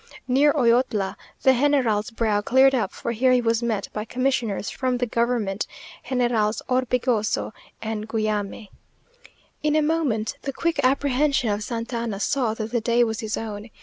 Near Oyotla the general's brow cleared up, for here he was met by commissioners from the government, Generals Orbegoso and Guyame. In a moment the quick apprehension of Santa Anna saw that the day was his own.